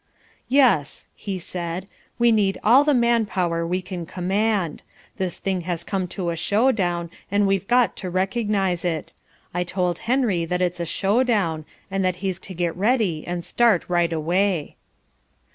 "Yes," he said, "we need all the man power we can command. This thing has come to a showdown and we've got to recognise it. I told Henry that it's a showdown and that he's to get ready and start right away."